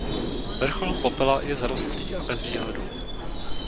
Vrchol Popela je zarostlý a bez výhledu.